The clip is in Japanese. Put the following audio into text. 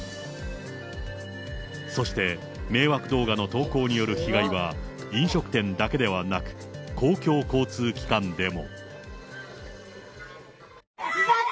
そして、迷惑動画の投稿による被害は、飲食店だけではなく、公共交通機関でも。